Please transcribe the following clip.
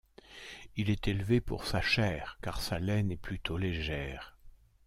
Il est élevé pour sa chair car sa laine est plutôt légère.